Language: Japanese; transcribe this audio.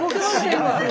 今。